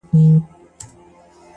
• د قاتل لوري ته دوې سترگي نیولي,